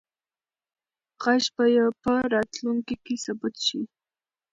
غږ به په راتلونکي کې ثبت سي.